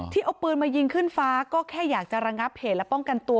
เอาปืนมายิงขึ้นฟ้าก็แค่อยากจะระงับเหตุและป้องกันตัว